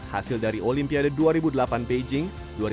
hasil dari olimpiade dua ribu delapan beijing